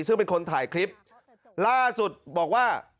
ซึ่งเป็นคนถ่ายคลิปล่าสุดบอกว่า